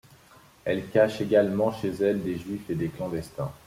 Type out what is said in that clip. Elle cache également chez elle des Juifs et des clandestins.